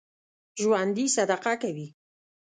ژوندي صدقه کوي